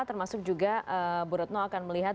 termasuk juga bu retno akan melihat